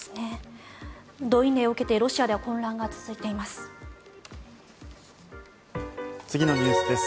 動員令を受けてロシアでは混乱が続いています。